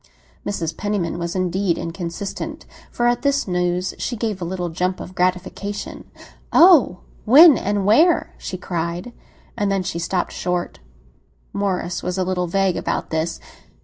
Mrs. Penniman was indeed inconsistent, for at this news she gave a little jump of gratification. "Oh! when and where?" she cried. And then she stopped short. Morris was a little vague about this.